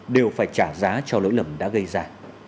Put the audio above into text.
đều phải trả giá cho lỗi lầm đã gây ra